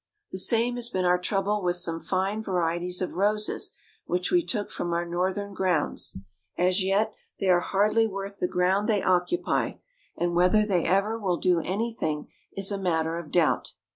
The same has been our trouble with some fine varieties of roses which we took from our Northern grounds. As yet, they are hardly worth the ground they occupy; and whether they ever will do any thing is a matter of doubt.